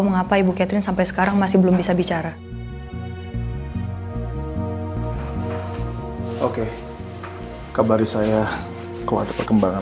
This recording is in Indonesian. mengapa ibu catherine sampai sekarang masih belum bisa bicara oke kabar saya keluar kekembangan